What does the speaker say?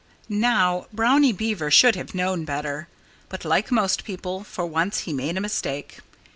Now, Brownie Beaver should have known better. But like most people, for once he made a mistake.